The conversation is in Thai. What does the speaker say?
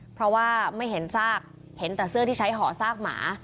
เพราะว่าไม่เห็นซากเห็นแต่เสื้อที่ใช้ห่อซากหมา